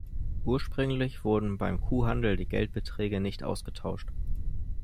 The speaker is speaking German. Ursprünglich wurden beim Kuhhandel die Geldbeträge nicht ausgetauscht.